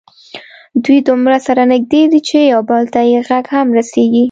دوی دومره سره نږدې دي چې یو بل ته یې غږ هم رسېږي.